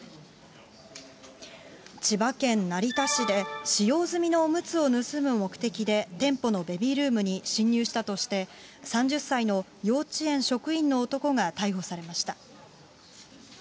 千葉県成田市で、使用済みのおむつを盗む目的で店舗のベビールームに侵入したとして、３０歳の幼稚園職員の男が逮捕されました。